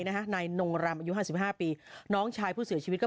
นายนงรำอายุห้าสิบห้าปีน้องชายผู้เสียชีวิตก็